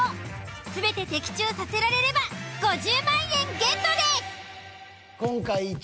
全て的中させられれば５０万円ゲットです。